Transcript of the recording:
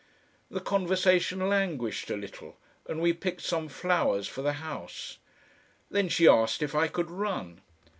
The conversation languished a little, and we picked some flowers for the house. Then she asked if I could run.